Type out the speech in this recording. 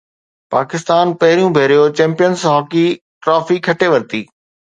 پاڪستان پهريون ڀيرو Champions Hockey Trophy کٽي ورتي